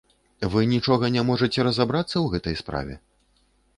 Вы нічога не можаце разабрацца ў гэтай справе?